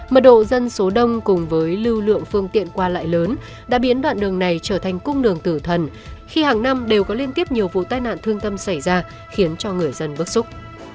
mật độ dân số đông cùng với lưu lượng phương tiện qua lại lớn đã biến đoạn đường này trở thành cung đường tử thần khi hàng năm đều có liên tiếp nhiều vụ tai nạn thương tâm xảy ra khiến cho người dân bức xúc